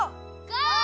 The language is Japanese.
ゴー！